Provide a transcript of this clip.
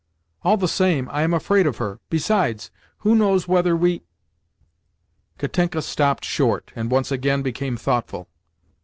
"All the same, I am afraid of her. Besides, who knows whether we—" Katenka stopped short, and once again became thoughtful.